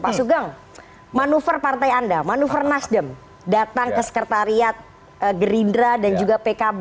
pak sugeng manuver partai anda manuver nasdem datang ke sekretariat gerindra dan juga pkb